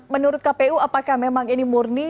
menurut kpu apakah memang ini murni